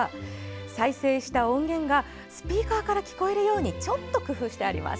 再生した音源がスピーカーから聞こえるようにちょっと工夫してあります。